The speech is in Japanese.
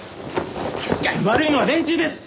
確かに悪いのは連中です！